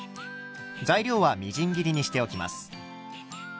材料はみじん切りにしておきます。